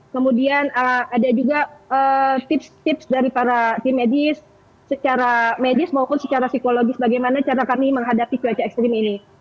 kemudian ada juga tips tips dari para tim medis secara medis maupun secara psikologis bagaimana cara kami menghadapi cuaca ekstrim ini